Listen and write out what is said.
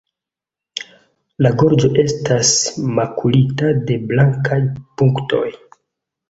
La gorĝo estas makulita de blankaj punktoj.